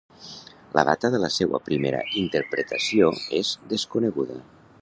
La data de la seua primera interpretació és desconeguda.